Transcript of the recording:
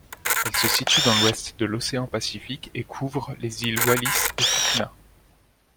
Elle se situe dans l'ouest de l'océan Pacifique et couvre les îles Wallis-et-Futuna.